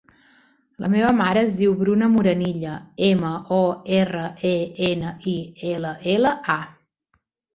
La meva mare es diu Bruna Morenilla: ema, o, erra, e, ena, i, ela, ela, a.